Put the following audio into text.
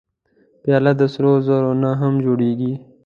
پیاله د سرو زرو نه هم جوړېږي.